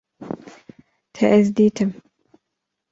Te ez dîtim